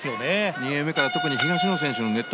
２ゲーム目から特に東野選手のネット